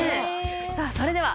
さあそれでは。